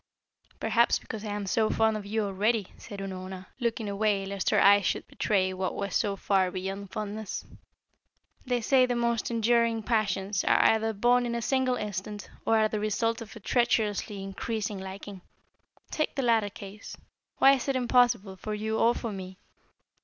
"Perhaps because I am so fond of you already," said Unorna, looking away lest her eyes should betray what was so far beyond fondness. "They say that the most enduring passions are either born in a single instant, or are the result of a treacherously increasing liking. Take the latter case. Why is it impossible, for you or for me?